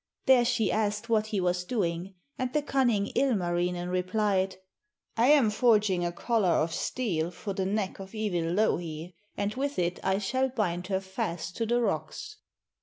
There she asked what he was doing, and the cunning Ilmarinen replied: 'I am forging a collar of steel for the neck of evil Louhi, and with it I shall bind her fast to the rocks.'